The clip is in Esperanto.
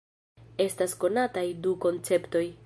Estas konataj du konceptoj.